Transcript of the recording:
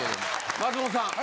松本さん。